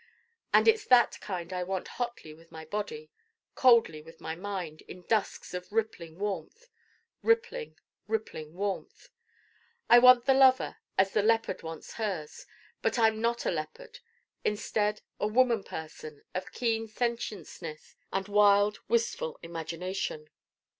And it's that kind I want hotly with my Body, coldly with my Mind in dusks of rippling warmth rippling, rippling warmth I want the Lover as the leopard wants hers. But I'm not a leopard: instead, a woman person of keen sentientness and wild wistful imagination.